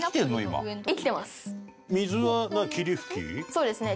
そうですね。